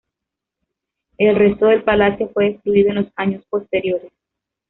El resto del palacio fue destruido en en los años posteriores.